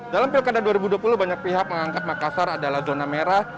dalam pilkada dua ribu dua puluh banyak pihak menganggap makassar adalah zona merah